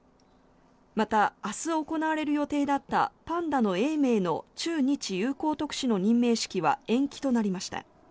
また、明日行われる予定だったパンダの永明の中日友好特使の任命式は延期となりました。